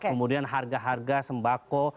kemudian harga harga sembako